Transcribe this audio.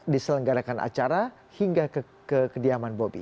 diselenggarakan acara hingga ke kediaman bobi